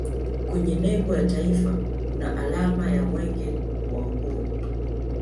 kwenye nembo ya taifa kuna alama ya mwenge wa uhuru